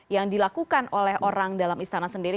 yang dilakukan oleh orang dalam istana sendiri